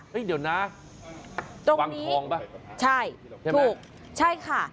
เฮ้ยเดี๋ยวนะวังทองป่ะใช่ถูกใช่ค่ะ